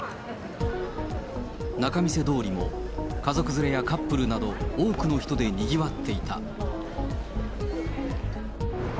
仲見世通りも、家族連れやカップルなど、多くの人でにぎわっていた。